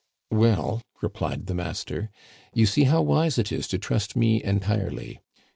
"Well," replied the master, "you see how wise it is to trust me entirely.